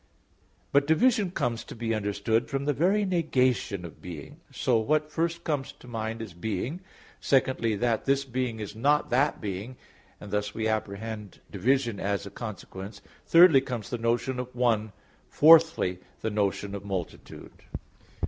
But division comes to be understood from the very negation of being: so what first comes to mind is being; secondly, that this being is not that being, and thus we apprehend division as a consequence; thirdly, comes the notion of one; fourthly, the notion of multitude.